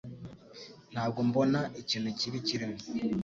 Ntabwo mbona ikintu kibi kirimo